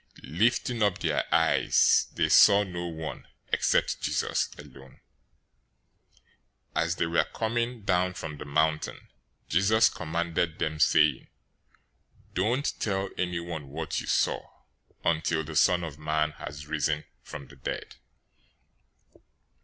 017:008 Lifting up their eyes, they saw no one, except Jesus alone. 017:009 As they were coming down from the mountain, Jesus commanded them, saying, "Don't tell anyone what you saw, until the Son of Man has risen from the dead."